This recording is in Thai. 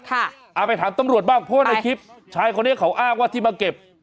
เอาไปถามตำรวจบ้างเพราะว่าในคลิปชายคนนี้เขาอ้างว่าที่มาเก็บ